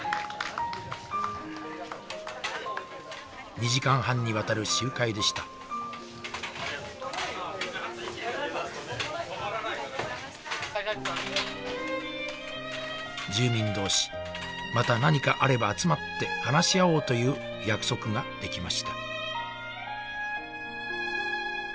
２時間半にわたる集会でした住民同士また何かあれば集まって話し合おうという約束ができました